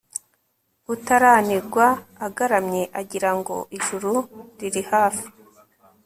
utaranigwa agaramye, agirango ijuru riri hafi